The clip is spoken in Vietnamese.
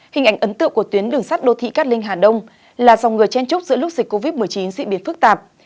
hình ảnh ấn tượng của tuyến đường sắt đô thị cát linh hà đông là dòng người chen trúc giữa lúc dịch covid một mươi chín diễn biến phức tạp